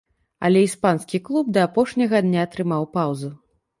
Але іспанскі клуб да апошняга дня трымаў паўзу.